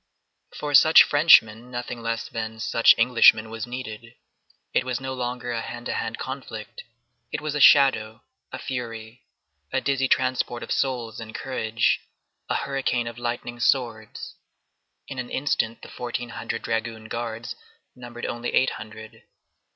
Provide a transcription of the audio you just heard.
For such Frenchmen nothing less than such Englishmen was needed. It was no longer a hand to hand conflict; it was a shadow, a fury, a dizzy transport of souls and courage, a hurricane of lightning swords. In an instant the fourteen hundred dragoon guards numbered only eight hundred.